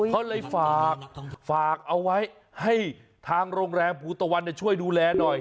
เขาเลยฝากเอาไว้ให้ทางโรงแรมภูตะวันช่วยดูแลหน่อย